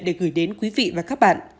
để gửi đến quý vị và các bạn